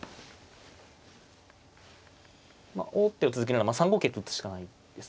まあ王手を続けるなら３五桂と打つしかないですね。